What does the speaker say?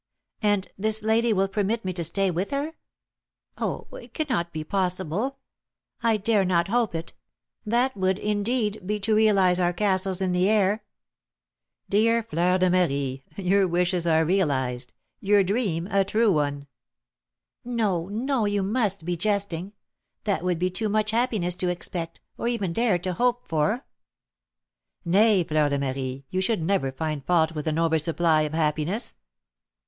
And this lady will permit me to stay with her? Oh, it cannot be possible; I dare not hope it; that would, indeed, be to realise our 'castles in the air.'" "Dear Fleur de Marie, your wishes are realised, your dream a true one." "No, no, you must be jesting; that would be too much happiness to expect, or even dare to hope for." "Nay, Fleur de Marie, we should never find fault with an oversupply of happiness."